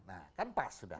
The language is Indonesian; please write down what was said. nah kan pas sudah